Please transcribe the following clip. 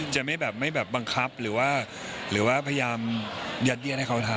จะไม่แบบบังคับหรือว่าพยายามยัดเย็นให้เขาทำ